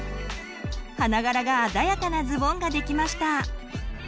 花柄が鮮やかなズボンができました！